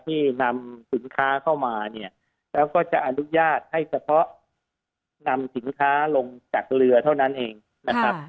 ที่นำสินค้าเข้ามาเนี่ยแล้วก็จะอนุญาตให้เฉพาะนำสินค้าลงจากเรือเท่านั้นเองนะครับ